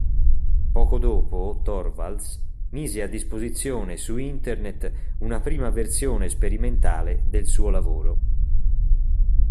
Poco dopo, Torvalds mise a disposizione su Internet una prima versione sperimentale del suo lavoro.